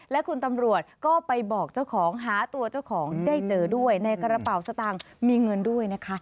และคุณตำรวจก็ไปบอกเจ้าของหาตัวเจ้าของได้เจอด้วยในกระเป๋าสตางค์มีเงินด้วยนะคะ